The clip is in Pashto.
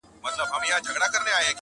قاسم یاره دوی لقب د اِبهام راوړ